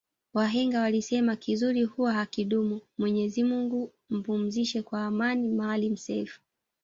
Wahenga walisema kizuri huwa hakidumu Mwenyezi Mungu ampumzishe kwa amani maalim self